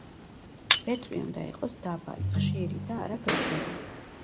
ბეწვი უნდა იყოს დაბალი, ხშირი და არა გრძელი.